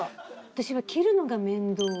私は切るのが面倒。